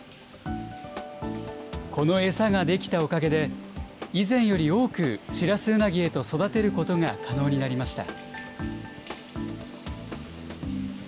この餌が出来たおかげで、以前より多くシラスウナギへと育てることが可能になりました。